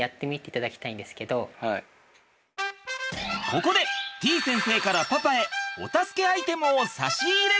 ここでてぃ先生からパパへお助けアイテムを差し入れ。